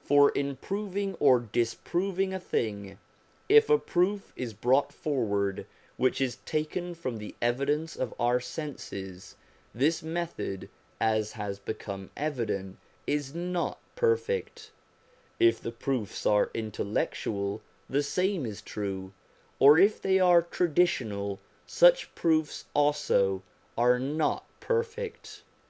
For, in proving or disproving a thing, if a proof is brought forward which is taken from the evidence of our senses, this method, as has become evident, is not perfect ; if the proofs are intellectual the same is true, or if they are traditional such proofs also are not perfect.